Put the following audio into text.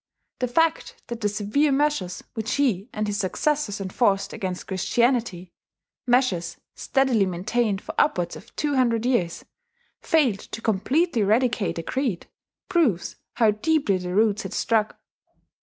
The fact that the severe measures which he and his successors enforced against Christianity measures steadily maintained for upwards of two hundred years failed to completely eradicate the creed, proves how deeply the roots had struck.